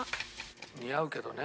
似合うけどね。